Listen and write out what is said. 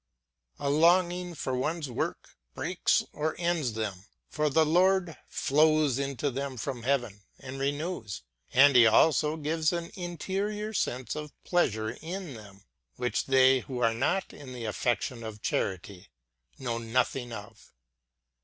A longing for one's work breaks or ends them; for the Lord flows into them from heaven and renews ; and He also gives an interior sense of pleasure in them, which they who are not in the affection of charity know nothing of.